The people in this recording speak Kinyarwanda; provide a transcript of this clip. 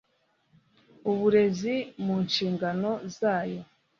uburezi mu nshingano zayo